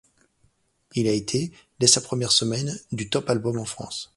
Il a été, dès sa première semaine, du top album en France.